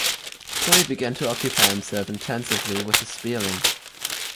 So he began to occupy himself intensively with the Speierling.